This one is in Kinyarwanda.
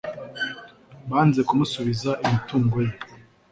banze kumusubiza imitungo ye.